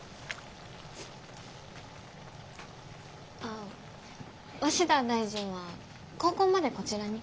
あ鷲田大臣は高校までこちらに？